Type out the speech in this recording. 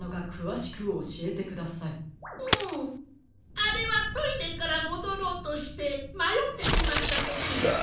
あれはトイレからもどろうとしてまよってしまったときだ。